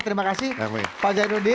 terima kasih pak zainuddin